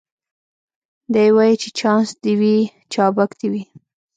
دی وايي چي چانس دي وي چابک دي وي